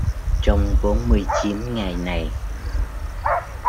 trong bốn mươi chín ngày này